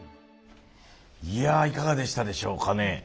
いやいかがでしたでしょうかね？